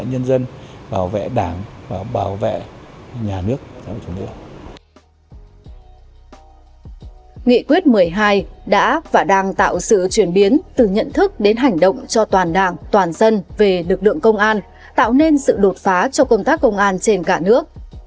nghị quyết một mươi hai đã và đang tạo sự chuyển biến từ nhận thức đến hành động cho toàn đảng toàn dân về lực lượng công an tạo nên sự đột phá cho công tác công an trên cả nước